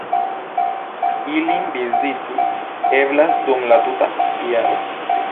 Ilin viziti eblas dum la tuta jaro.